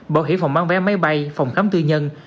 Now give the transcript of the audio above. bảo hiểm phòng bán vé máy bay phòng khám tư nhân